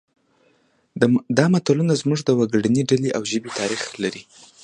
دا متلونه زموږ د وګړنۍ ډلې او ژبې تاریخ لري